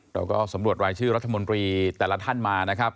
เราก็สำรวจรายชื่อรัฐมนตรีแต่ละท่านมานะครับ